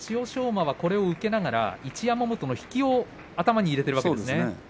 馬は受けながら一山本の引きを頭に入れているわけですね。